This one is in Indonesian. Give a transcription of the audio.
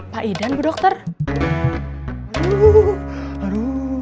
pak idan bu dokter